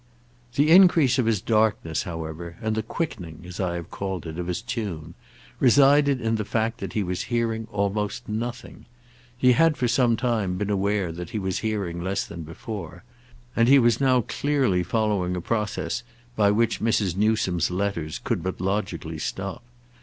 The increase of his darkness, however, and the quickening, as I have called it, of his tune, resided in the fact that he was hearing almost nothing. He had for some time been aware that he was hearing less than before, and he was now clearly following a process by which Mrs. Newsome's letters could but logically stop.